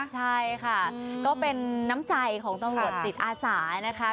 ใช่ค่ะก็เป็นน้ำใจของตำรวจจิตอาสานะคะ